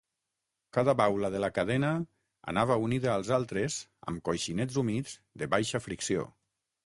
Cada baula de la cadena anava unida als altres amb coixinets humits de baixa fricció.